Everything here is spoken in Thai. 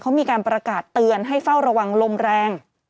เขามีการประกาศเตือนให้เฝ้าระวังลมแรง